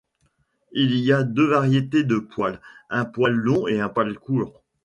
Il y a deux variétés de poil, un poil long et un poil court.